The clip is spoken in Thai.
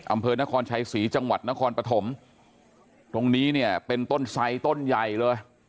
อำเภอนครชัยศรีจังหวัดนครปฐมตรงนี้เนี่ยเป็นต้นไซต้นใหญ่เลย